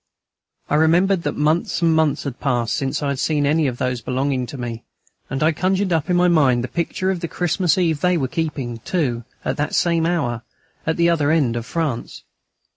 I remembered that months and months had passed since I had seen any of those belonging to me, and I conjured up in my mind the picture of the Christmas Eve they were keeping, too, at that same hour, at the other end of France.